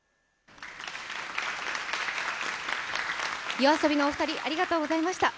ＹＯＡＳＯＢＩのお二人、ありがとうございました。